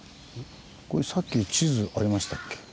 これさっき地図ありましたっけ。